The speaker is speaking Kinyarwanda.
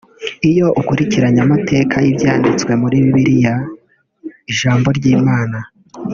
Iyo ukurikiranye amateka y’ibyanditswe muri Bibiriya (Ijambo ry’Imana)